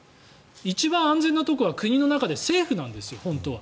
一番安全なところは国の中で政府なんです、本当は。